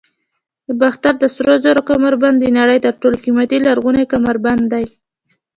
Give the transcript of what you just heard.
د باختر د سرو زرو کمربند د نړۍ تر ټولو قیمتي لرغونی کمربند دی